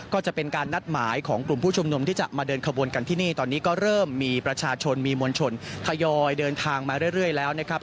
ก็จะเป็นการนัดหมายของกลุ่มผู้ชุมนุมที่จะมาเดินขบวนกันที่นี่ตอนนี้ก็เริ่มมีประชาชนมีมวลชนทยอยเดินทางมาเรื่อยแล้วนะครับ